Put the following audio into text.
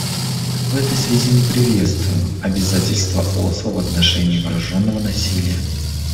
В этой связи мы приветствуем Обязательства Осло в отношении вооруженного насилия.